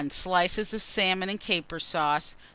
Slices of salmon and caper sauce.